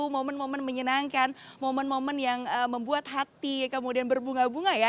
momen momen menyenangkan momen momen yang membuat hati kemudian berbunga bunga ya